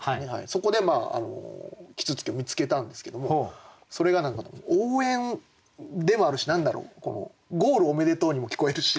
そこで啄木鳥を見つけたんですけどもそれが何か応援でもあるし何だろう「ゴールおめでとう」にも聞こえるし。